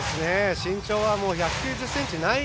身長は１９０ｃｍない。